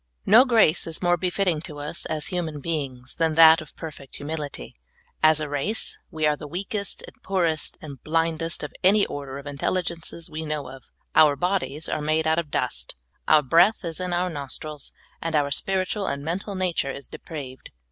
* NO grace is more befitting to us as human beings than that of perfect humility. As a race, we are the weakest, and poorest, and blindest of any order of intelligences, we know of. Our bodies are made out of dust, our breath is in our nostrils, and our spiritual and mental nature is depraved.